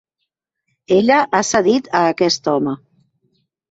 Ella ha cedit a aquest home.